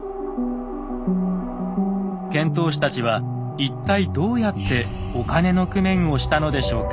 遣唐使たちは一体どうやってお金の工面をしたのでしょうか。